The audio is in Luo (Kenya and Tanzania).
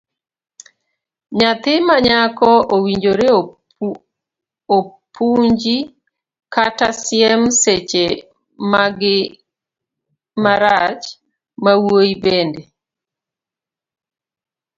Nyathi manyako owinjore opunji kata siem seche magi marach, mawuoyi bende.